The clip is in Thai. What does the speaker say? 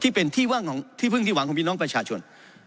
ที่เป็นที่พึ่งที่หวังของพี่น้องประชาชน